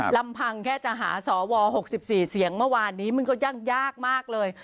ลำพังแค่จะหาสว๖๔เสียงเมื่อวานนี้มันก็ยากมากเลย